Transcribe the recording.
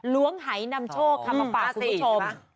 ล้วงหายนำโชคค่ะมาฝากคุณผู้ชม